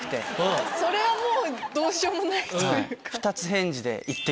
⁉それはもうどうしようもないというか。